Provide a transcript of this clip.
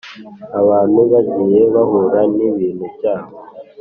abantu bagiye bahura n’ibintu byabo